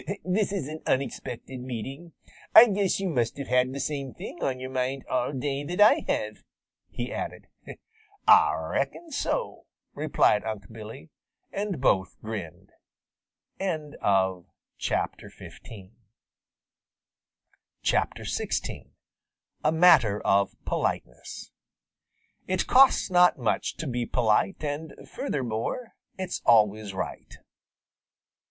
"This is an unexpected meeting. I guess you must have had the same thing on your mind all day that I have," he added. "Ah reckon so," replied Unc' Billy, and both grinned. XVI A MATTER OF POLITENESS It costs not much to be polite And, furthermore, it's always right.